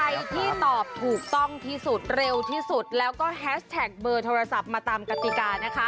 ใครที่ตอบถูกต้องที่สุดเร็วที่สุดแล้วก็แฮชแท็กเบอร์โทรศัพท์มาตามกติกานะคะ